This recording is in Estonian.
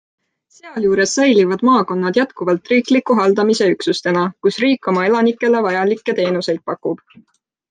Sealjuures säilivad maakonnad jätkuvalt riikliku haldamise üksustena, kus riik oma elanikele vajalikke teenuseid pakub.